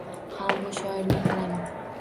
Ha, bu shoirning qalami